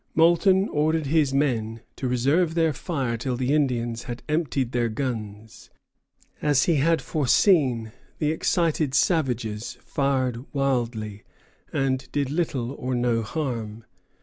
Moulton ordered his men to reserve their fire till the Indians had emptied their guns. As he had foreseen, the excited savages fired wildly, and did little or no harm.